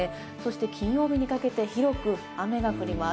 金曜日にかけて広く雨が降ります。